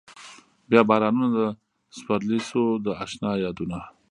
بيا بارانونه د سپرلي شو د اشنا يادونه